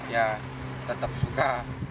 ya tetap suka